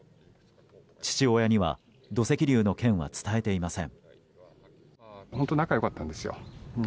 父親には土石流の件は伝えていません。